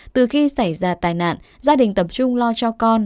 từ khi xảy ra tai nạn gia đình tập trung lo cho con